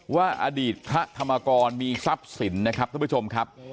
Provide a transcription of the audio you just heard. ว่าอดีตพระธรรมกรมีทรัพย์สินนะครับท่านผู้ชมครับ